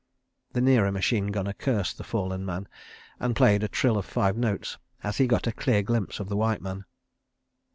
The nearer machine gunner cursed the fallen man and played a trill of five notes as he got a clear glimpse of the white man.